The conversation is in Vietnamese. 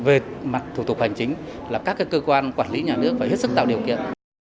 về mặt thủ tục hành chính là các cơ quan quản lý nhà nước phải hết sức tạo điều kiện